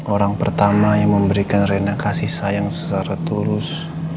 orang pertama yang memberikan renda kasih sayang secara tulus